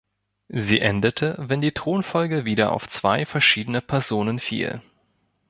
Sie endete, wenn die Thronfolge wieder auf zwei verschiedene Personen fiel.